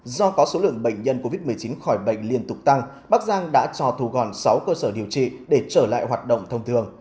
do có số lượng bệnh nhân covid một mươi chín khỏi bệnh liên tục tăng bắc giang đã cho thu gọn sáu cơ sở điều trị để trở lại hoạt động thông thường